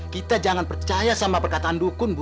kita jangan percaya sama perkataan dukun bu